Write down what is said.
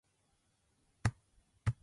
予約するのはめんどくさい